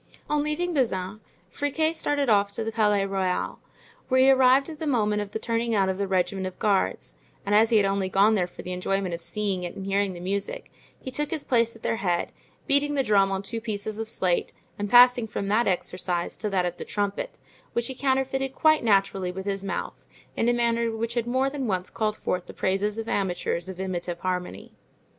On leaving Bazin, Friquet started off to the Palais Royal, where he arrived at the moment of the turning out of the regiment of guards; and as he had only gone there for the enjoyment of seeing it and hearing the music, he took his place at their head, beating the drum on two pieces of slate and passing from that exercise to that of the trumpet, which he counterfeited quite naturally with his mouth in a manner which had more than once called forth the praises of amateurs of imitative harmony.